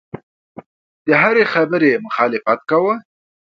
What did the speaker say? د هرې خبرې یې مخالفت کاوه.